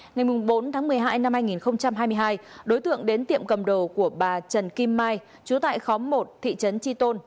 ngày bốn tháng một mươi hai năm hai nghìn hai mươi hai đối tượng đến tiệm cầm đồ của bà trần kim mai chú tại khóm một thị trấn tri tôn